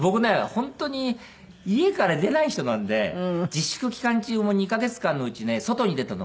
本当に家から出ない人なんで自粛期間中も２カ月間のうちね外に出たの２日だけですから。